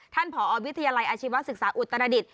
ท่านผอวิทยาลัยอาชีวศึกษาอุตรศักดิต